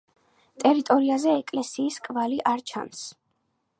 ტერიტორიაზე ეკლესიის კვალი არ ჩანს.